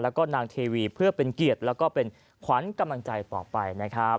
แล้วก็นางเทวีเพื่อเป็นเกียรติแล้วก็เป็นขวัญกำลังใจต่อไปนะครับ